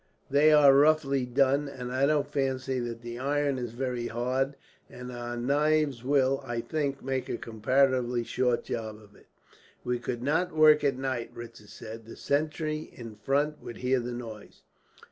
They are roughly done, and I don't fancy that the iron is very hard; and our knives will, I think, make a comparatively short job of it." "We could not work at night," Ritzer said. "The sentry in front would hear the noise."